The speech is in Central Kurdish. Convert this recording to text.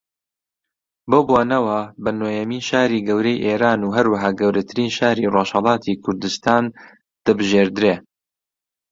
بەو بۆنەوە بە نۆیەمین شاری گەورەی ئێران و ھەروەھا گەورەترین شاری ڕۆژھەڵاتی کوردستان دەبژێردرێ